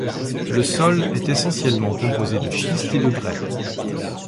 Le sol est essentiellement composé de schiste et de grès.